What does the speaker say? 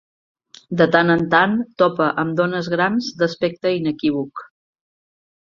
De tant en tant topa amb dones grans d'aspecte inequívoc.